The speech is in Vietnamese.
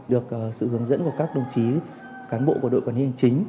được sự hướng dẫn của các đồng chí cán bộ của đội quản lý hành chính